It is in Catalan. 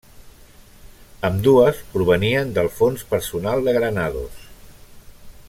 Ambdues provenien del fons personal de Granados.